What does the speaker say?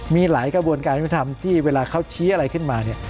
มีหลายกระบวนการยุทธรรมที่เวลาเขาชี้อะไรขึ้นมาเนี่ย